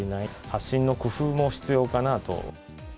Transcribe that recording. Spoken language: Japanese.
発信の工夫も必要かなと。